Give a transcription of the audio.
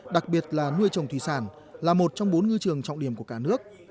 đặc biệt là nuôi trồng thủy sản là một trong bốn ngư trường trọng điểm của cả nước